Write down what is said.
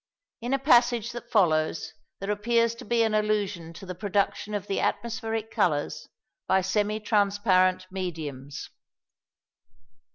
In a passage that follows there appears to be an allusion to the production of the atmospheric colours by semi transparent mediums.